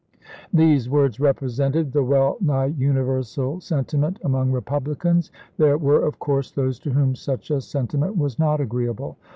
These words represented the well nigh universal sentiment among Republicans. There were, of course, those to whom such a sentiment was not agreeable.